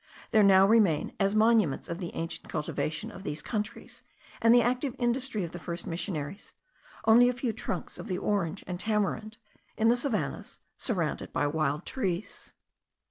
There now remain as monuments of the ancient cultivation of these countries, and the active industry of the first missionaries, only a few trunks of the orange and tamarind, in the savannahs, surrounded by wild trees.